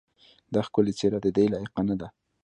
دا ښکلې څېره ددې لایقه نه ده.